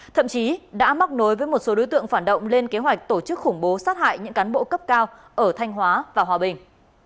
thậm chí đã móc nối với một số đối tượng phản động lên kế hoạch tổ chức khủng bố sát hại những cán bộ cấp cao ở thanh hóa và hòa bình